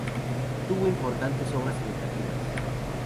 Tuvo importantes obras educativas.